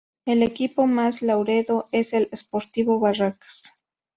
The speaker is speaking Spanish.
El equipo más laureado es el Sportivo Barracas.